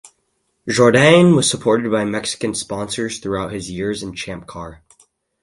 Jourdain was supported by Mexican sponsors throughout his years in Champ Car.